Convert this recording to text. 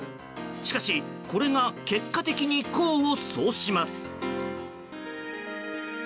しかし、これが結果的に功を奏します。